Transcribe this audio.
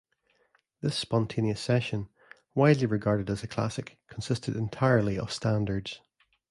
This spontaneous session, widely regarded as a classic, consisted entirely of standards.